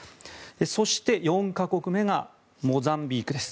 そして、４か国目がモザンビークです。